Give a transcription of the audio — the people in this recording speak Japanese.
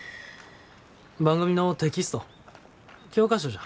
番組のテキスト教科書じゃ。